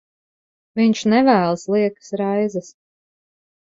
Viņš nevēlas liekas raizes.